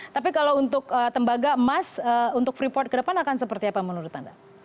tapi kalau untuk tembaga emas untuk freeport ke depan akan seperti apa menurut anda